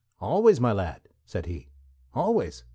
"Always, my lad," said he, "always!